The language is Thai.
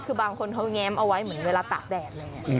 คือบางคนเขาแง้มเอาไว้เหมือนเวลาตากแดด